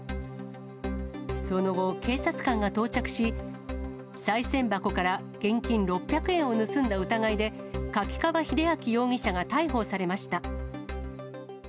その後、警察官が到着し、さい銭箱から現金６００円を盗んだ疑いで、柿川秀章容疑者が逮捕されました。